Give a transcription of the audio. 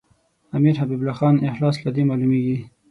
امیر حبیب الله خان اخلاص له دې معلومیږي.